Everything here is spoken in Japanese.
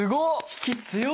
引き強っ！